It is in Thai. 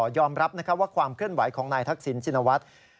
ยอมรับว่าความเคลื่อนไหวของนายทักศิลป์จิณวัตร